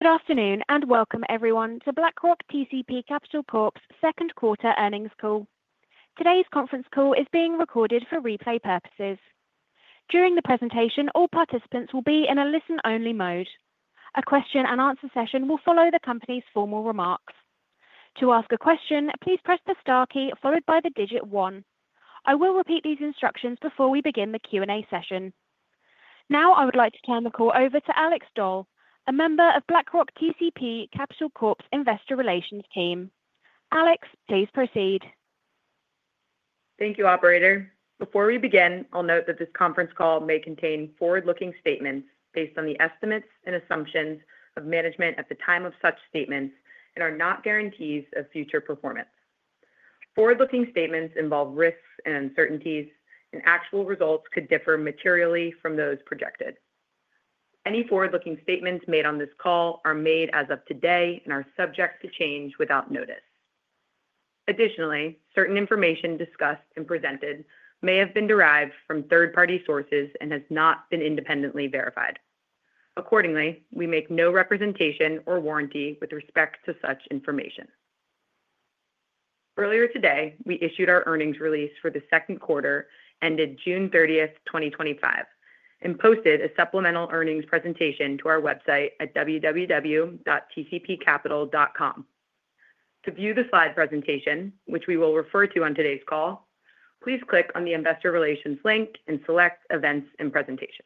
Good afternoon and welcome everyone to BlackRock TCP Capital Corp.'s Second Quarter Earnings Call. Today's conference call is being recorded for replay purposes. During the presentation, all participants will be in a listen-only mode. A question and answer session will follow the company's formal remarks. To ask a question, please press the star key followed by the digit 1. I will repeat these instructions before we begin the Q and A session. Now I would like to turn the call over to Alex Doll, a member of BlackRock TCP Capital Corp.'s Investor Relations team. Alex, please proceed. Thank you, operator. Before we begin, I'll note that this conference call may contain forward-looking statements based on the estimates and assumptions of management at the time of such statements and are not guarantees of future performance. Forward-looking statements involve risks and uncertainties, and actual results could differ materially from those projected. Any forward-looking statements made on this call are made as of today and are subject to change without notice. Additionally, certain information discussed and presented may have been derived from third-party sources and has not been independently verified. Accordingly, we make no representation or warranty with respect to such information. Earlier today, we issued our earnings release for the second quarter ended June 30, 2025, and posted a supplemental earnings presentation to our website at www.tcpcapital.com. To view the slide presentation, which we will refer to on today's call, please click on the Investor Relations link and select Events and Presentations.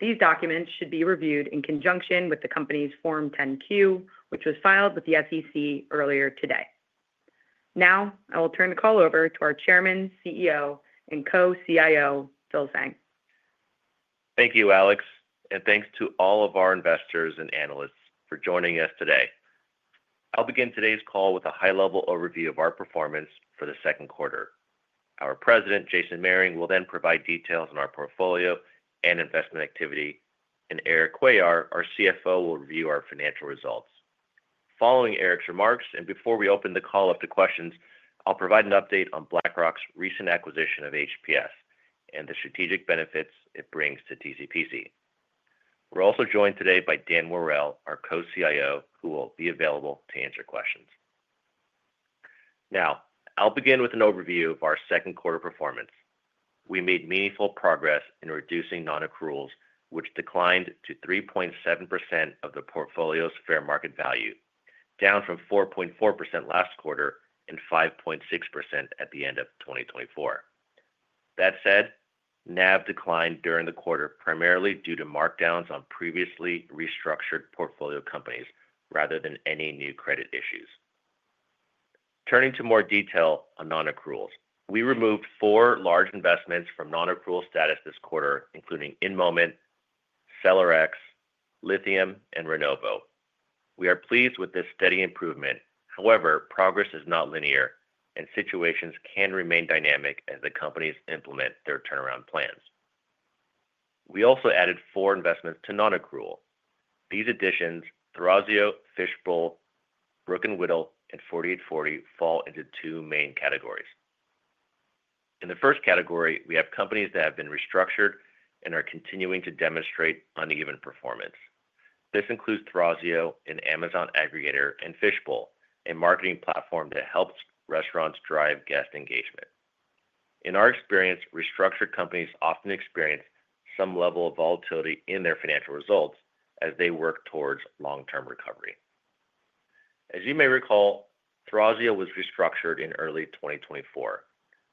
These documents should be reviewed in conjunction with the company's Form 10-Q, which was filed with the SEC earlier today. Now I will turn the call over to our Chairman, CEO, and Co CIO, Philip Tseng. Thank you, Alex, and thanks to all of our investors and analysts for joining us today. I'll begin today's call with a high-level overview of our performance for the second quarter. Our President, Jason Mehring, will then provide details on our portfolio and investment activity, and Erik Cuellar, our CFO, will review our financial results. Following Erik's remarks and before we open the call up to questions, I'll provide an update on BlackRock's recent acquisition of HPS Investment Partners and the strategic benefits it brings to TCPC. We're also joined today by Dan Worrell, our Co CIO, who will be available to answer questions. Now I'll begin with an overview of our second quarter performance. We made meaningful progress in reducing non-accruals, which declined to 3.7% of the portfolio's fair market value, down from 4.4% last quarter and 5.6% at the end of 2024. That said, NAV declined during the quarter primarily due to markdowns on previously restructured portfolio companies rather than any new credit issues. Turning to more detail on non-accruals, we removed four large investments from non-accrual status this quarter, including InMoment, Celerex, Lithium, and Renovo. We are pleased with this steady improvement. However, progress is not linear, and situations can remain dynamic as the companies implement their turnaround plans. We also added four investments to non-accrual. These additions, Thrasio, Fishbowl, Brook & Whittle, and 4840, fall into two main categories. In the first category, we have companies that have been restructured and are continuing to demonstrate uneven performance. This includes Thrasio, an Amazon Aggregator, and Fishbowl, a marketing platform that helps restaurants drive guest engagement. In our experience, restructured companies often experience some level of volatility in their financial results as they work towards long-term recovery. As you may recall, Thrasio was restructured in early 2024.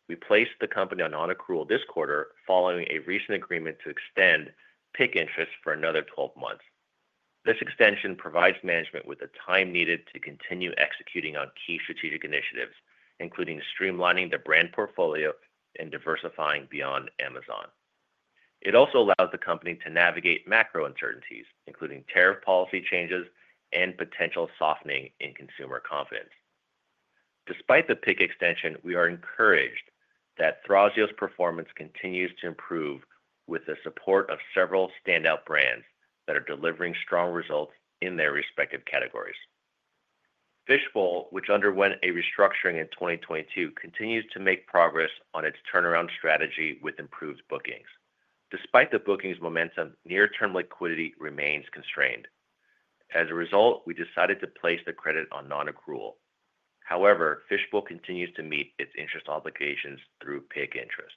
We placed the company on non-accrual this quarter following a recent agreement to extend PIK interest for another 12 months. This extension provides management with the time needed to continue executing on key strategic initiatives, including streamlining the brand portfolio and diversifying beyond Amazon. It also allows the company to navigate macro uncertainties, including tariff policy changes and potential softening in consumer confidence. Despite the PIK extension, we are encouraged that Thrasio's performance continues to improve with the support of several standout brands that are delivering strong results in their respective categories. Fishbowl, which underwent a restructuring in 2022, continues to make progress on its turnaround strategy with improved bookings. Despite the bookings momentum, near-term liquidity remains constrained. As a result, we decided to place the credit on non-accrual. However, Fishbowl continues to meet its interest obligations through PIK interest.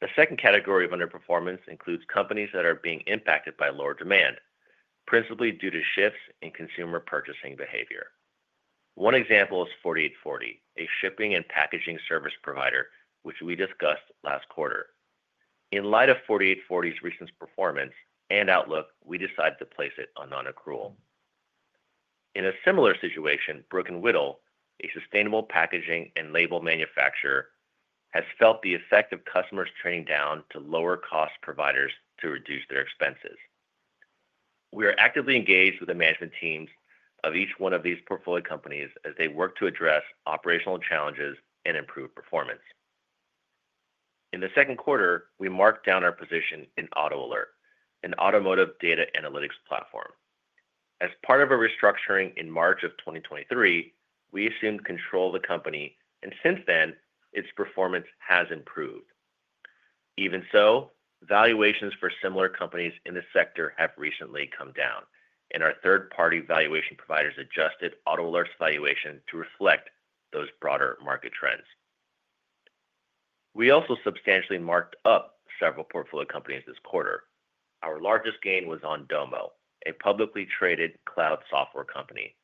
The second category of underperformance includes companies that are being impacted by lower demand, principally due to shifts in consumer purchasing behavior. One example is 4840, a shipping and packaging service provider which we discussed last quarter. In light of 4840's recent performance and outlook, we decided to place it on non-accrual. In a similar situation, Brook & Whittle, a sustainable packaging and label manufacturer, has felt the effect of customers turning down to lower-cost providers to reduce their expenses. We are actively engaged with the management teams of each one of these portfolio companies as they work to address operational challenges and improve performance. In the second quarter, we marked down our position in AutoAlert, an automotive data analytics platform, as part of a restructuring. In March of 2023, we assumed control of the company and since then its performance has improved. Even so, valuations for similar companies in the sector have recently come down and our third-party valuation providers adjusted AutoAlert's valuation to reflect those broader market trends. We also substantially marked up several portfolio companies this quarter. Our largest gain was on Domo, a publicly traded cloud software company.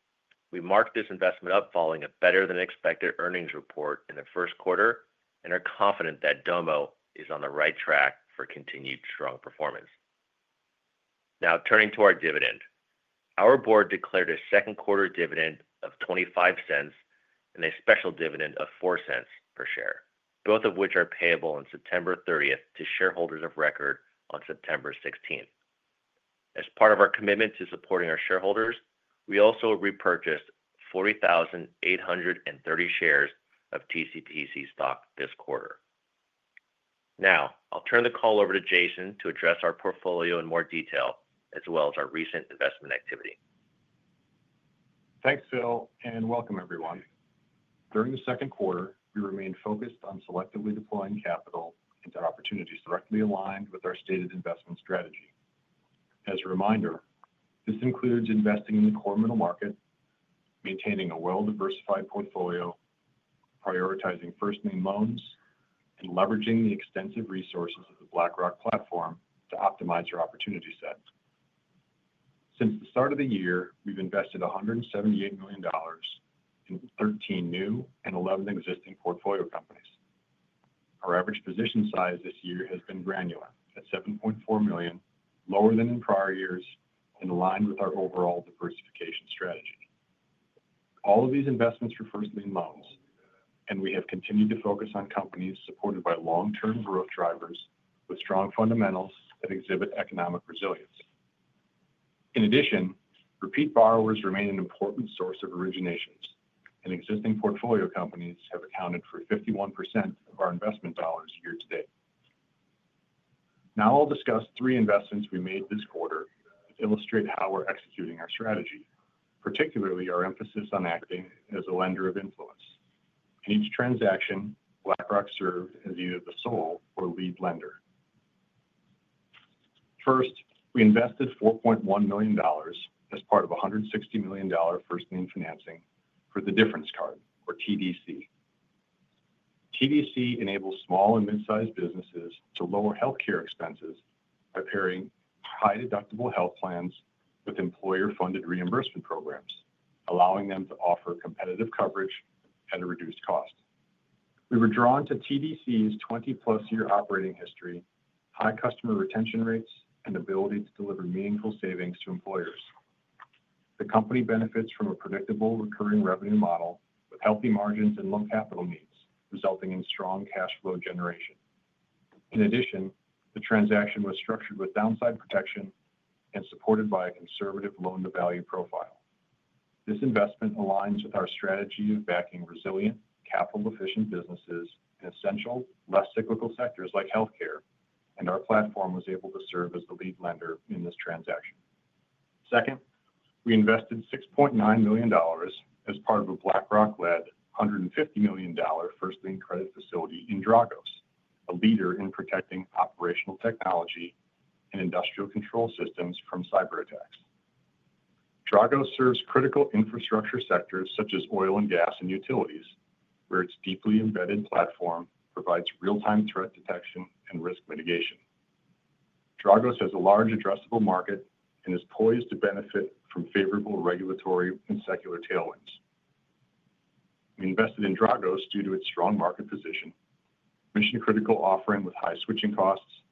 We marked this investment up following a better-than-expected earnings report in the first quarter and are confident that Domo is on the right track for continued strong performance. Now turning to our dividend, our board declared a second quarter dividend of $0.25 and a special dividend of $0.04 per share, both of which are payable on September 30 to shareholders of record on September 16. As part of our commitment to supporting our shareholders, we also repurchased 40,830 shares of TCPC stock this quarter. Now I'll turn the call over to Jason to address our portfolio in more detail as well as our recent investment activity. Thanks Phil and welcome everyone. During the second quarter, we remain focused on selectively deploying capital into opportunities directly aligned with our stated investment strategy. As a reminder, this includes investing in the core middle market, maintaining a well-diversified portfolio, prioritizing first lien loans, and leveraging the extensive resources of the BlackRock platform to optimize our opportunity set. Since the start of the year, we've invested $178 million in 13 new and 11 existing portfolio companies. Our average position size this year has been granular at $7.4 million, lower than in prior years, in line with our overall diversification strategy. All of these investments refer to lean models and we have continued to focus on companies supported by long-term growth drivers with strong fundamentals that exhibit economic resilience. In addition, repeat borrowers remain an important source of originations and existing portfolio companies have accounted for 51% of our investment dollars year-to-date. Now I'll discuss three investments we made this quarter to illustrate how we're executing our strategy, particularly our emphasis on acting as a lender of influence. In each transaction, BlackRock served as either the sole or lead lender. First, we invested $4.1 million as part of $160 million first lien financing for The Difference Card or TDC. TDC enables small and mid-sized businesses to lower health care expenses by pairing high deductible health plans with employer-funded reimbursement programs, allowing them to offer competitive coverage at a reduced cost. We were drawn to TDC's 20+ year operating history, high customer retention rates, and ability to deliver meaningful savings to employers. The company benefits from a predictable recurring revenue model with healthy margins and low capital needs resulting in strong cash flow generation. In addition, the transaction was structured with downside protection and supported by a conservative loan-to-value profile. This investment aligns with our strategy of backing resilient, capital-efficient businesses in essential, less cyclical sectors like health care, and our platform was able to serve as the lead lender in this transaction. Second, we invested $6.9 million as part of a BlackRock-led $150 million first lien credit facility in Dragos. A leader in protecting operational technology and industrial control systems from cyber attacks, Dragos serves critical infrastructure sectors such as oil and gas and utilities, where its deeply embedded platform provides real-time threat detection and risk mitigation. Dragos has a large addressable market and is poised to benefit from favorable regulatory and secular tailwinds. We invested in Dragos due to its strong market position, mission-critical offering with high switching costs,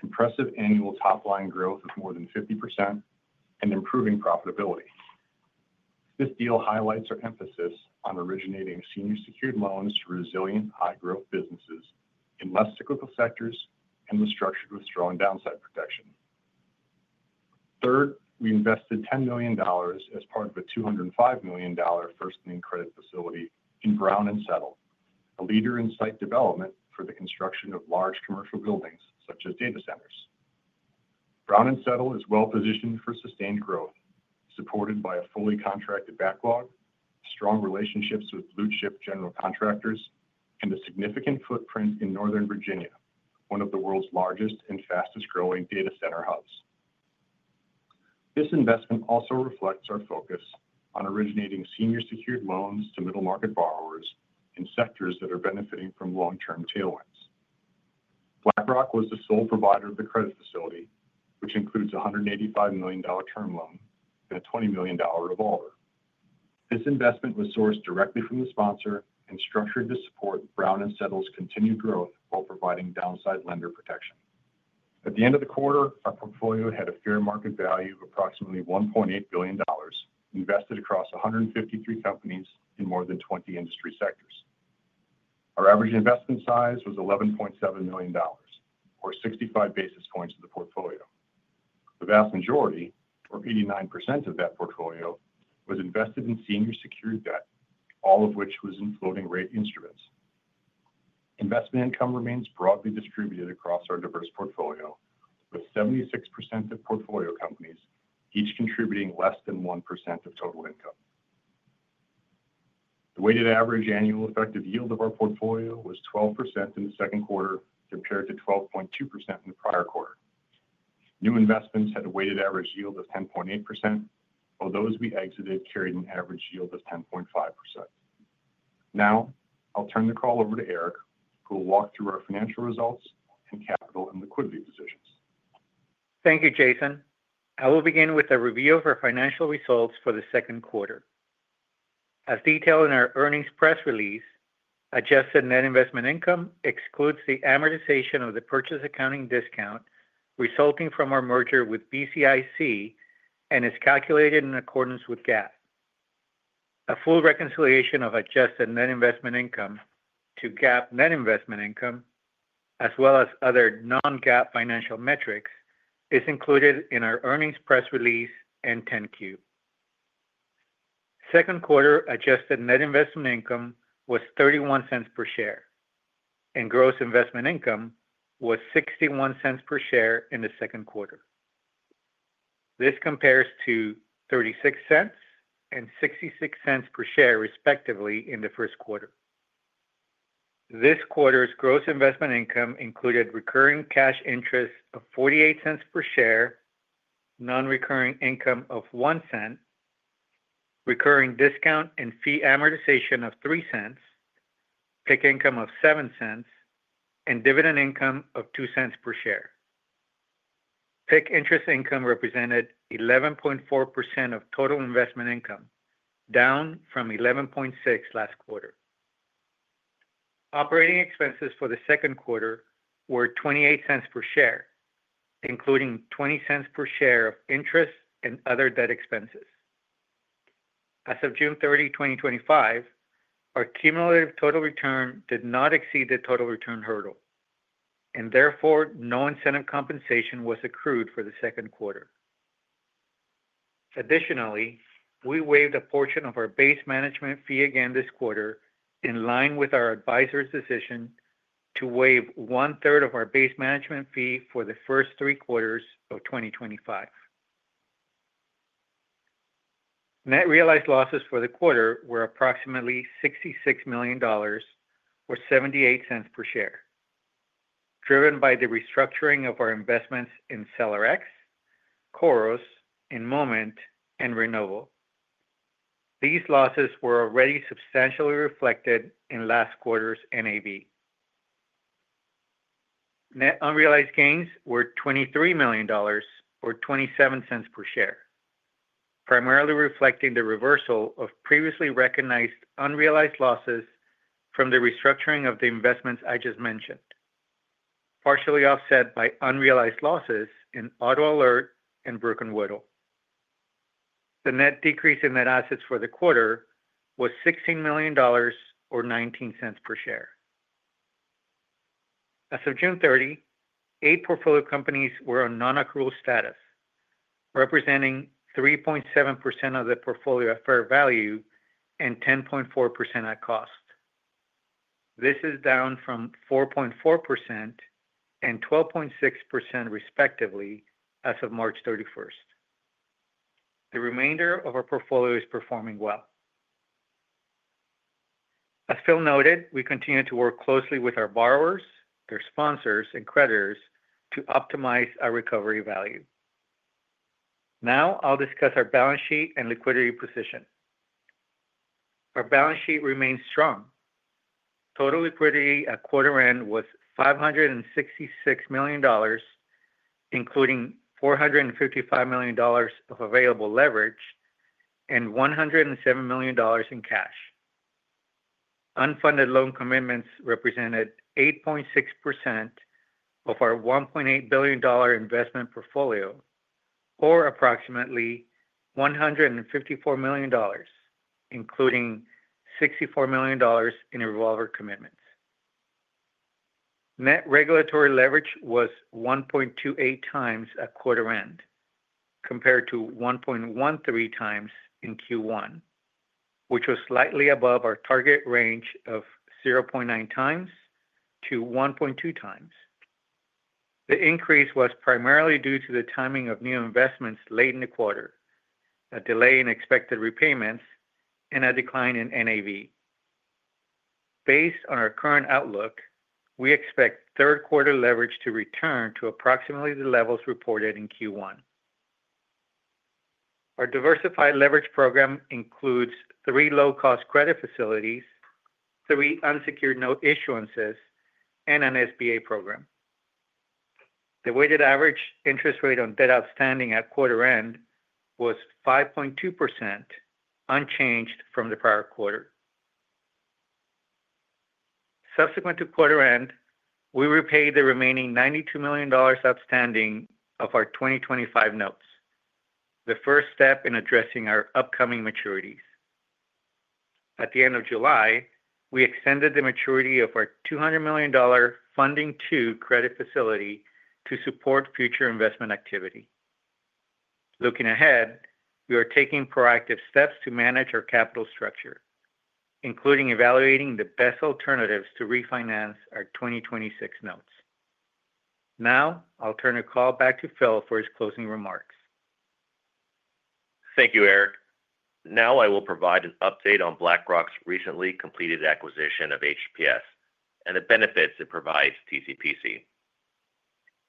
impressive annual top-line growth of more than 50% and improving profitability. This deal highlights our emphasis on originating senior secured loans to resilient high-growth businesses in less cyclical sectors and restructured with strong downside protection. Third, we invested $10 million as part of a $205 million first lien credit facility in Brown & Settle, a leader in site development for the construction of large commercial buildings such as data centers. Brown & Settle is well positioned for sustained growth supported by a fully contracted backlog, strong relationships with blue chip general contractors, and a significant footprint in Northern Virginia, one of the world's largest and fastest-growing data center hubs. This investment also reflects our focus on originating senior secured loans to middle market borrowers in sectors that are benefiting from long-term tailwinds. BlackRock was the sole provider of the credit facility, which includes a $185 million term loan and a $20 million revolver. This investment was sourced directly from the sponsor and structured to support Brown & Settle's continued growth while providing downside lender protection. At the end of the quarter, our portfolio had a fair market value of approximately $1.8 billion invested across 153 companies in more than 20 industry sectors. Our average investment size was $11.7 million, or 65 basis points of the portfolio. The vast majority, or 89% of that portfolio, was invested in senior secured debt, all of which was in floating-rate instruments. Investment income remains broadly distributed across our diverse portfolio, with 76% of portfolio companies each contributing less than 1% of total income. The weighted average annual effective yield of our portfolio was 12% in the second quarter compared to 12.2% in the prior quarter. New investments had a weighted average yield of 10.8%, while those we exited carried an average yield of 10.5%. Now I'll turn the call over to Erik, who will walk through our financial results and capital and liquidity decisions. Thank you, Jason. I will begin with a review of our financial results for the second quarter. As detailed in our earnings press release, adjusted net investment income excludes the amortization of the purchase accounting discount resulting from our merger with BCIC and is calculated in accordance with GAAP. A full reconciliation of adjusted net investment income to GAAP net investment income as well as other non-GAAP financial metrics is included in our earnings press release and 10-Q. Second quarter adjusted net investment income was $0.31 per share and gross investment income was $0.61 per share in the second quarter. This compares to $0.36 and $0.66 per share, respectively, in the first quarter. This quarter's gross investment income included recurring cash interest of $0.48 per share, non-recurring income of $0.01, recurring discount and fee amortization of $0.03, PIK income of $0.07, and dividend income of $0.02 per share. PIK interest income represented 11.4% of total investment income, down from 11.6% last quarter. Operating expenses for the second quarter were $0.28 per share, including $0.20 per share of interest and other debt expenses. As of June 30, 2025, our cumulative total return did not exceed the total return hurdle and therefore no incentive compensation was accrued for the second quarter. Additionally, we waived a portion of our base management fee again this quarter in line with our advisor's decision to waive one third of our base management fee for the first three quarters of 2025. Net realized losses for the quarter were approximately $66 million or $0.78 per share, driven by the restructuring of our investments in Celerex, Khoros, InMoment, and Renovo. These losses were already substantially reflected in last quarter's NAV. Net unrealized gains were $23 million or $0.27 per share, primarily reflecting the reversal of previously recognized unrealized losses from the restructuring of the investments I just mentioned, partially offset by unrealized losses in AutoAlert and Brook & Whittle. The net decrease in net assets for the quarter was $16 million or $0.19 per share. As of June 30, eight portfolio companies were on non-accrual status, representing 3.7% of the portfolio at fair value and 10.4% at cost. This is down from 4.4% and 12.6%, respectively, as of March 31. The remainder of our portfolio is performing well. As Phil noted, we continue to work closely with our borrowers, their sponsors, and creditors to optimize our recovery value. Now I'll discuss our balance sheet and liquidity position. Our balance sheet remains strong. Total liquidity at quarter end was $566 million, including $455 million of available leverage and $107 million in cash. Unfunded loan commitments represented 8.6% of our $1.8 billion investment portfolio, or approximately $154 million, including $64 million in revolver commitments. Net regulatory leverage was 1.28x at quarter end, compared to 1.13x in Q1, which was slightly above our target range of 0.9x-1.2x. The increase was primarily due to the timing of new investments late in the quarter, a delay in expected repayments, and a decline in NAV. Based on our current outlook, we expect third quarter leverage to return to approximately the levels reported in Q1. Our diversified leverage program includes three low-cost credit facilities, three unsecured note issuances, and an SBA program. The weighted average interest rate on debt outstanding at quarter end was 5.2%, unchanged from the prior quarter. Subsequent to quarter end, we repaid the remaining $92 million outstanding of our 2025 notes, the first step in addressing our upcoming maturities. At the end of July, we extended the maturity of our $200 million funding to credit facility to support future investment activity. Looking ahead, we are taking proactive steps to manage our capital structure, including evaluating the best alternatives to refinance our 2026 notes. Now I'll turn the call back to Phil for his closing remarks. Thank you, Erik. Now I will provide an update on BlackRock's recently completed acquisition of HPS Investment Partners and the benefits it provides TCPC.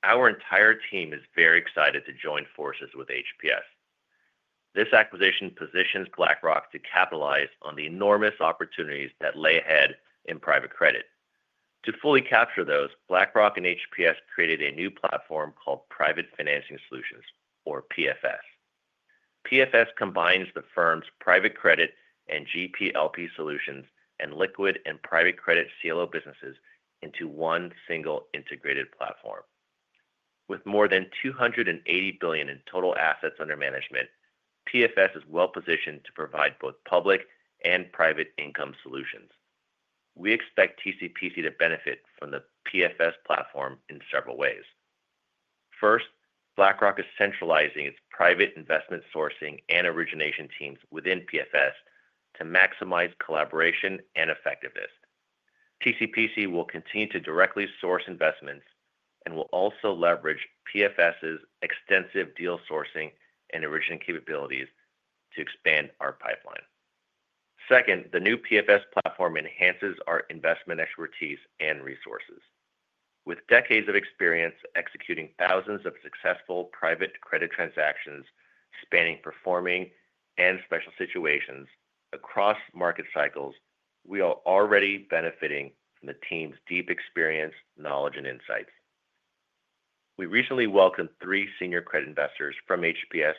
Our entire team is very excited to join forces with HPS. This acquisition positions BlackRock to capitalize on the enormous opportunities that lie ahead in private credit. To fully capture those, BlackRock and HPS created a new platform called Private Financing Solutions, or PFS. PFS combines the firm's private credit and GP/LP solutions and liquid and private credit CLO businesses into one single integrated platform. With more than $280 billion in total assets under management, PFS is well positioned to provide both public and private income solutions. We expect TCPC to benefit from the PFS platform in several ways. First, BlackRock is centralizing its private investment, sourcing, and origination teams within PFS to maximize collaboration and effectiveness. TCPC will continue to directly source investments and will also leverage PFS's extensive deal sourcing and origination capabilities to expand our pipeline. Second, the new PFS platform enhances our investment expertise and resources. With decades of experience executing thousands of successful private credit transactions spanning performing and special situations across market cycles, we are already benefiting from the team's deep experience, knowledge, and insights. We recently welcomed three senior credit investors from HPS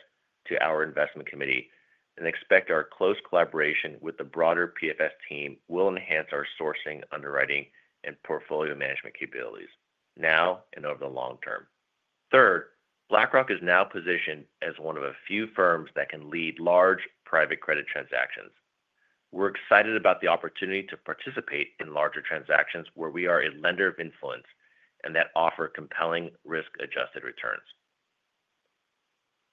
to our investment committee and expect our close collaboration with the broader PFS team will enhance our sourcing, underwriting, and portfolio management capabilities now and over the long term. Third, BlackRock is now positioned as one of a few firms that can lead large private credit transactions. We're excited about the opportunity to participate in larger transactions where we are a lender of influence and that offer compelling risk-adjusted returns.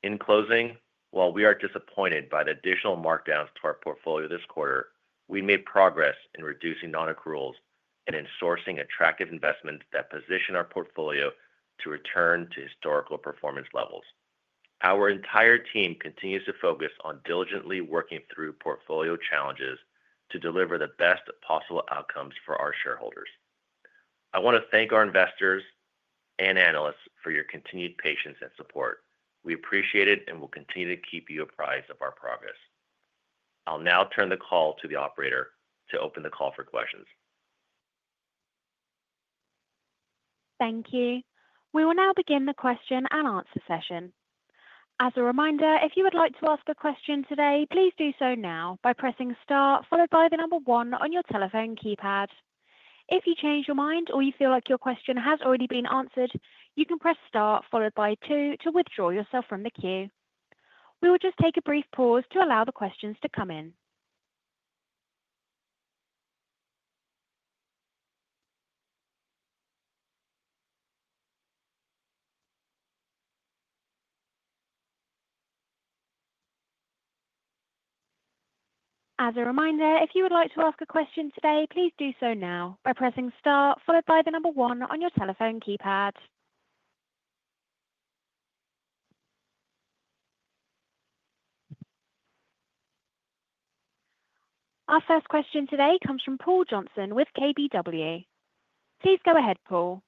In closing, while we are disappointed by the additional markdowns to our portfolio this quarter, we made progress in reducing non-accruals and in sourcing attractive investments that position our portfolio to return to historical performance levels. Our entire team continues to focus on diligently working through portfolio challenges to deliver the best possible outcomes for our shareholders. I want to thank our investors and analysts for your continued patience and support. We appreciate it and will continue to keep you apprised of our progress. I'll now turn the call to the operator to open the call for questions. Thank you. We will now begin the question and answer session. As a reminder, if you would like to ask a question today, please do so now by pressing STAR followed by the number one on your telephone keypad. If you change your mind or you feel like your question has already been answered, you can press STAR followed by two to withdraw yourself from the queue. We will just take a brief pause to allow the questions to come in. As a reminder, if you would like to ask a question today, please do so now by pressing STAR followed by the number one on your telephone keypad. Our first question today comes from Paul Johnson with KBW. Please go ahead. Paul.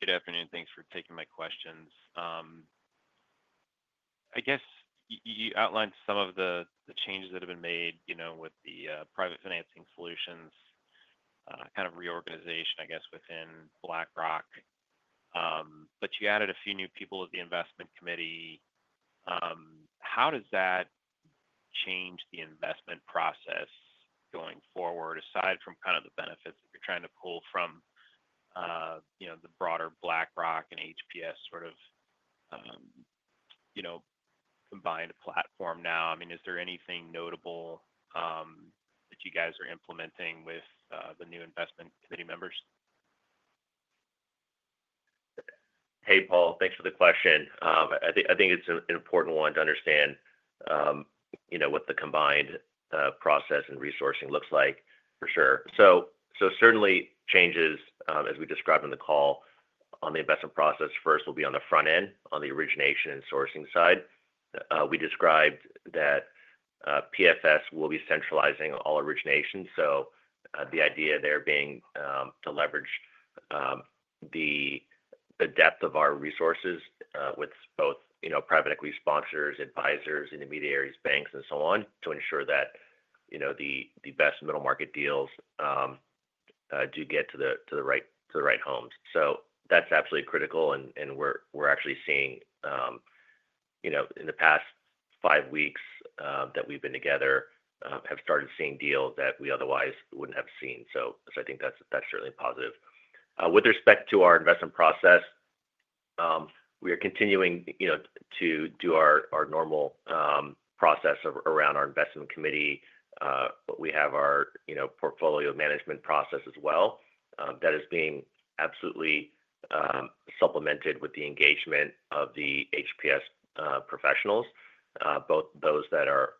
Good afternoon. Thanks for taking my questions. I guess you outlined some of the changes that have been made with the Private Financing Solutions kind of reorganization within BlackRock. You added a few new people at the investment committee. How does that change the investment process going forward? Aside from the benefits that you're trying to pull from the broader BlackRock and HPS sort of combined platform now, is there anything notable that you guys are implementing with the new investment committee members? Hey Paul, thanks for the question. I think it's an important one to understand, you know, what the combined process and resourcing looks like for sure. Certainly, changes as we described in the call on the investment process first will be on the front end. On the origination and sourcing side, we described that the PFS platform will be centralizing all originations. The idea there is to leverage the depth of our resources with both private equity sponsors, advisors, intermediaries, banks, and so on to ensure that the best middle market deals do get to the right homes. That's absolutely critical and we're actually seeing in the past five weeks that we've been together, have started seeing deals that we otherwise wouldn't have seen. I think that's certainly a positive with respect to our investment process. We are continuing to do our normal process around our investment committee, but we have our portfolio management process as well that is being absolutely supplemented with the engagement of the HPS Investment Partners professionals, both those that are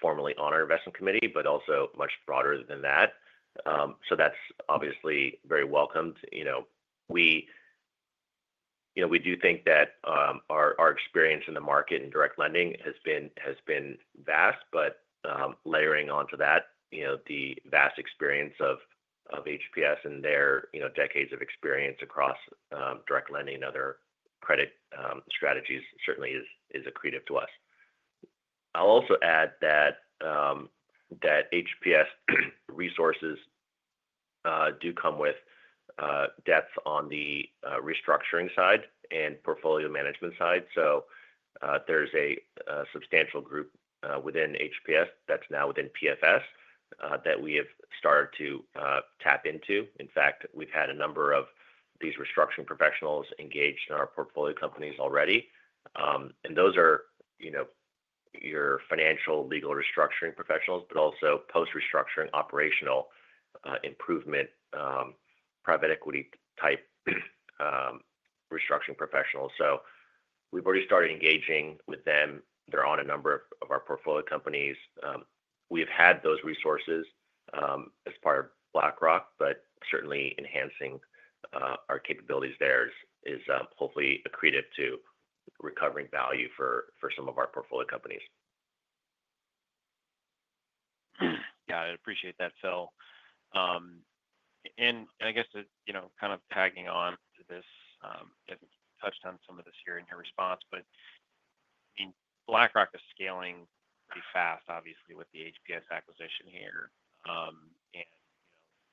formally on our investment committee but also much broader than that. That's obviously very welcomed. We do think that our experience in the market in direct lending has been vast. Layering onto that the vast experience of HPS and their decades of experience across direct lending and other credit strategies certainly is accretive to us. I'll also add that HPS resources do come with depth on the restructuring side and portfolio management side. There's a substantial group within HPS that's now within the PFS platform that we have started to tap into. In fact, we've had a number of these restructuring professionals engaged in our portfolio companies already and those are your financial, legal restructuring professionals but also post-restructuring, operational improvement, private equity type restructuring professionals. We've already started engaging with them. They're on a number of our portfolio companies. We have had those resources as part of BlackRock but certainly enhancing our capabilities there is hopefully accretive to recovering value for some of our portfolio companies. Yeah, I appreciate that, Phil, and I guess kind of tagging on to this, touched on some of this here in your response. BlackRock is scaling pretty fast, obviously with the HPS acquisition here, and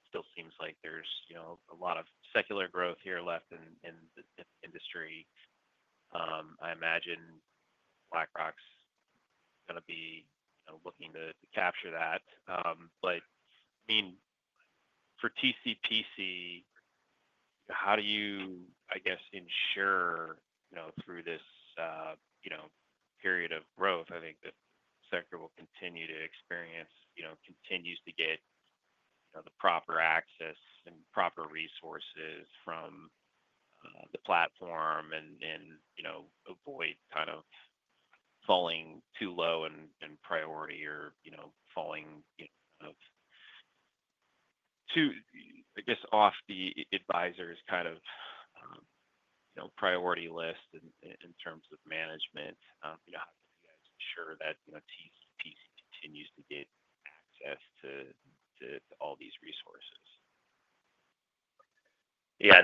still seems like there's a lot of secular growth here left in the industry. I imagine BlackRock's going to be looking to capture that. But. For TCPC, how do you ensure through this period of growth, I think the sector will continue to experience, continues to get the proper access and proper resources from the platform and avoid kind of falling too low in priority or falling off the advisors' priority list in terms of management? How do you guys ensure that TCPC continues to get access to all these resources? Yeah,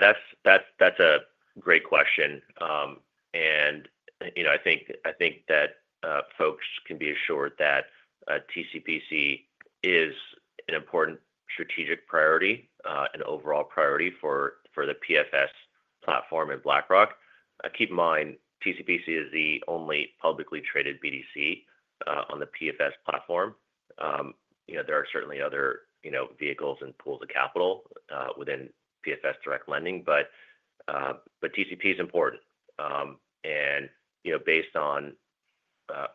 that's a great question. I think that folks can be assured that TCPC is an important strategic priority and overall priority for the PFS platform in BlackRock. Keep in mind, TCPC is the only publicly traded BDC on the PFS platform. There are certainly other vehicles and pools of capital within PFS direct lending, but TCPC is important and, based on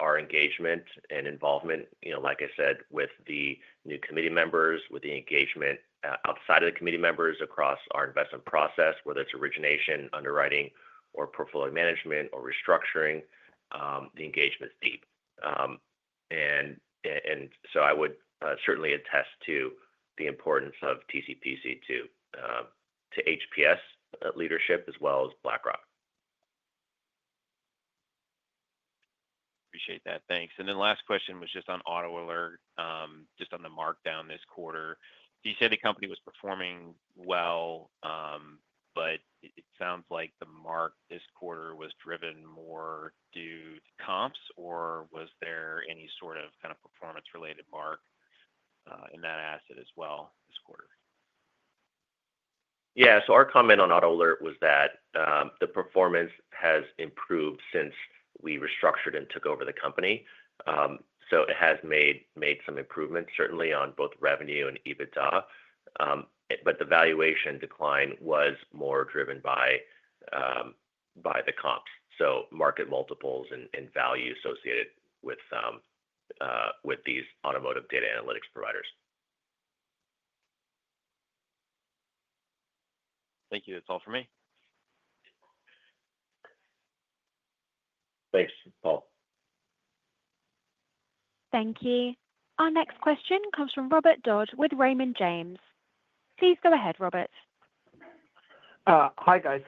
our engagement and involvement, like I said with the new committee members, with the engagement outside of the committee members across our investment process, whether it's origination, underwriting, portfolio management, or restructuring, the engagement's deep. I would certainly attest to the importance of TCPC to HPS leadership as well as BlackRock. Appreciate that, thanks. The last question was just on AutoAlert, just on the markdown this quarter. Did you say the company was performing well? It sounds like the mark this quarter was driven more due to comps, or was there any sort of kind of performance-related mark in that asset as well? Yeah, our comment on AutoAlert was that the performance has improved since we restructured and took over the company. It has made some improvements certainly on both revenue and EBITDA. The valuation decline was more driven by the comps, market multiples, and value associated with these automotive data analytics providers. Thank you. That's all for me. Thanks, Paul. Thank you. Our next question comes from Robert James Dodd with Raymond James & Associates. Please go ahead, Robert. Hi guys.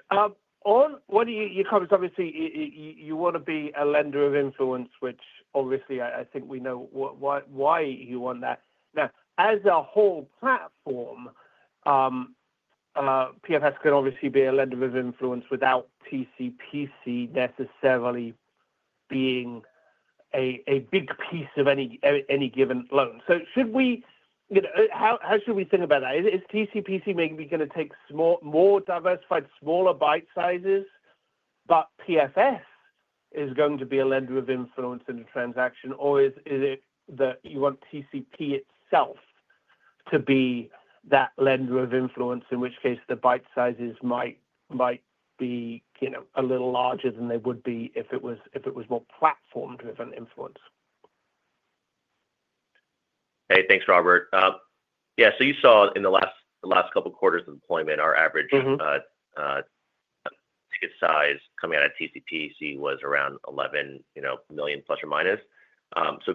On one of your comments, obviously you want to be a lender of influence, which obviously I think we. Why you want that now as a whole platform, PFS could obviously be a lender of influence without TCPC necessarily being a big piece of any given loan. How should we think about that? Is TCPC maybe going to take more diversified, smaller bite sizes but PFS is going to be a lender of influence in the transaction, or is it that you want TCPC itself to be that lender of influence, in which case the bite sizes might be a little larger than they would be if it. Was more platform to event influence? Hey, thanks Robert. Yeah, you saw in the last couple quarters employment, our average ticket size coming out of TCPC was around $11 million plus or minus.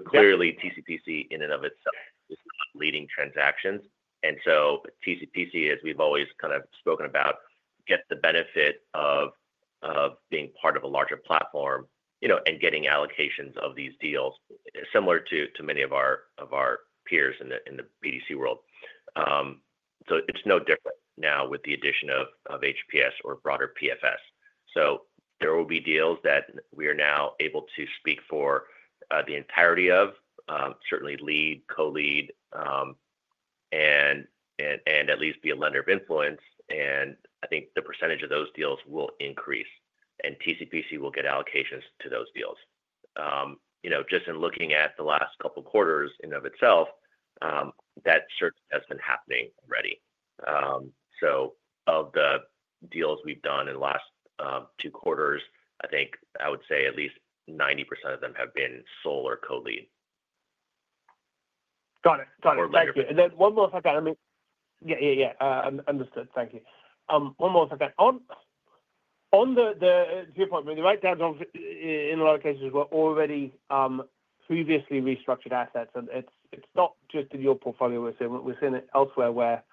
Clearly, TCPC in and of itself leading transactions, and TCPC, as we've always kind of spoken about, gets the benefit of being part of a larger platform and getting allocations of these deals similar to many of our peers in the BDC world. It is no different now with the addition of HPS or broader PFS. There will be deals that we are now able to speak for the entirety of, certainly lead, co-lead, and at least be a lender of influence. I think the percentage of those deals will increase, and TCPC will get allocations to those deals. Just in looking at the last couple quarters, in and of itself that search has been happening already. Of the deals we've done in the last two quarters, I think I would say at least 90% of them have been sole or co-lead. Got it, got it. Thank you. Thank you. One more second on the viewpoint, the write down. In a lot of cases we're already previously restructured assets and it's not just in your portfolio, we're seeing it elsewhere where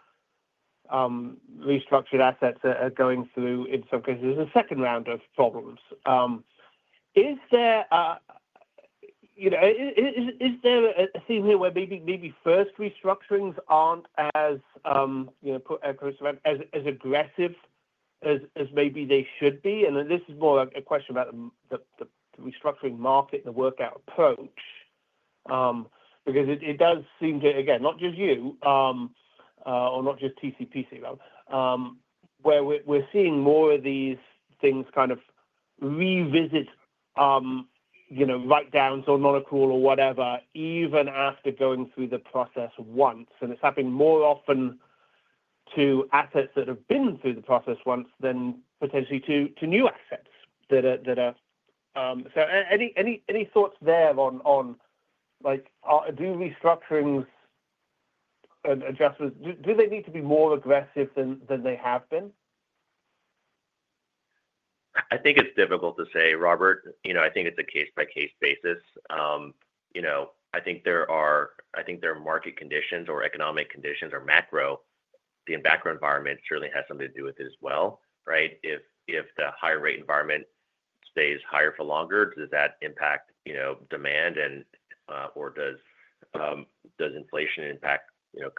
restructured assets are going through in some cases a second round of problems. Is there a theme here where maybe first restructurings aren't as aggressive as maybe they should be? This is more a question about the restructuring market, the workout approach, because it does seem to, again, not just you or not just TCPC, where we're seeing more of these things kind of revisit, write downs or monocle or whatever, even after going through the process once. It's happening more often to assets that have been through the process once than potentially to new assets that are. Any thoughts there on like, do restructurings and adjustments, do they need to be more aggressive than they have been? I think it's difficult to say, Robert. I think it's a case by case basis. I think there are market conditions or economic conditions or macro. The embarker environment certainly has something to do with it as well. Right. If the higher rate environment stays higher for longer, does that impact demand or does inflation impact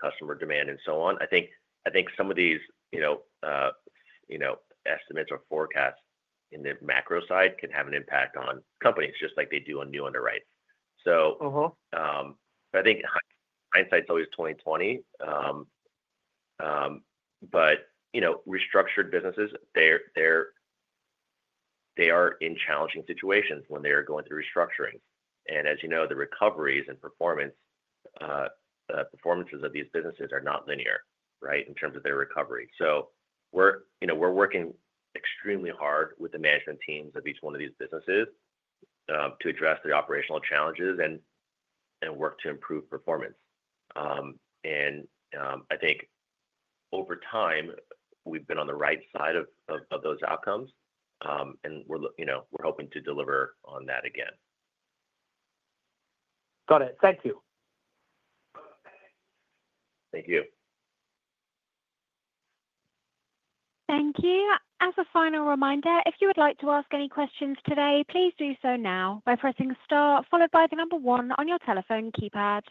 customer demand and so on? I think some of these estimates or forecasts in the macro side can have an impact on companies just like they do on new underwrite. I think hindsight's always 20/20. Restructured businesses are in challenging situations when they are going through restructuring, and as you know, the recoveries and performances of these businesses are not linear in terms of their recovery. We're working extremely hard with the management teams of each one of these businesses to address the operational challenges and work to improve performance. I think over time, we've been on the right side of those outcomes, and we're hoping to deliver on that again. Got it. Thank you. Thank you. Thank you. As a final reminder, if you would like to ask any questions today, please do so now by pressing star, followed by the number one on your telephone keypad.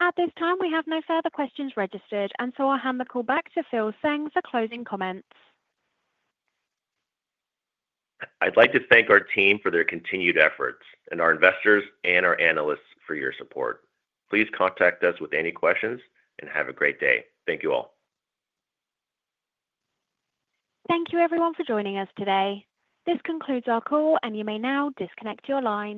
At this time, we have no further questions registered. I'll hand the call back to Phil Tseng for closing comments. I'd like to thank our team for their continued efforts and our investors and our analysts for your support. Please contact us with any questions and have a great day. Thank you all. Thank you, everyone, for joining us today. This concludes our call, and you may now disconnect your line.